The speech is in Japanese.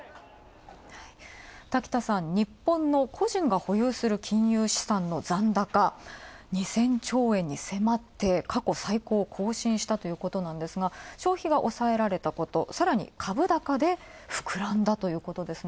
滝田さん、日本の個人が保有する金融資産の残高、２０００兆円迫って、過去最高を更新したということなんですが、消費がおさえられたこと、さらに、株高でふくらんだということですね。